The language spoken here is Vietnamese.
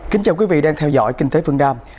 kính chào quý vị đang theo dõi kinh tế phương nam